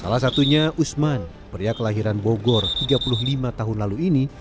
salah satunya usman pria kelahiran bogor tiga puluh lima tahun lalu ini